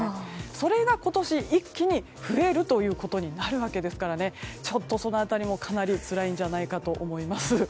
それが今年、一気に増えるということになるわけですからねその辺りもかなりつらいんじゃないかと思います。